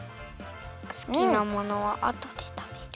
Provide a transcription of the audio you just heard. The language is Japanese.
すきなものはあとでたべる。